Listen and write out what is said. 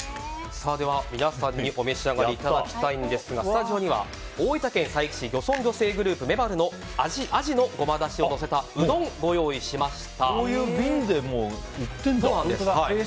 皆さんにお召し上がりいただきたいんですがスタジオには大分県佐伯市漁村女性グループめばるのアジのごまだしをのせたうどんをご用意しました。